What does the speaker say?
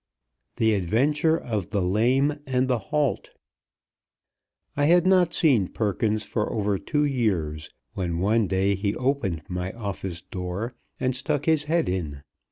THE ADVENTURE OF THE LAME AND THE HALT I HAD not seen Perkins for over two years, when one day he opened my office door, and stuck his head in.